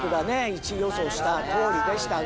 １位予想したとおりでしたが。